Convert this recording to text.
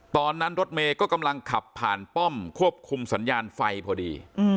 รถเมย์ก็กำลังขับผ่านป้อมควบคุมสัญญาณไฟพอดี